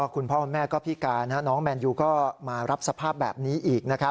คุณพ่อคุณแม่ก็พิการน้องแมนยูก็มารับสภาพแบบนี้อีก